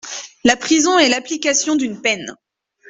La prison est l’application d’une peine.